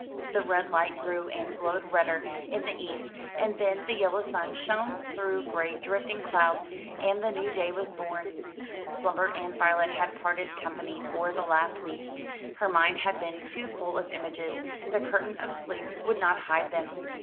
The red light grew and glowed redder in the east, and then the yellow sun shone through gray drifting clouds, and the new day was born. Slumber and Violet had parted company for the last week. Her mind had been too full of images; the curtain of sleep would not hide them.